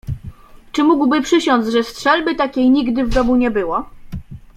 "Czy mógłby przysiąc, że strzelby takiej nigdy w domu nie było?"